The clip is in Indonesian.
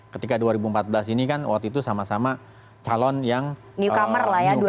ketika dua ribu empat belas ini kan waktu itu sama sama calon yang melakukan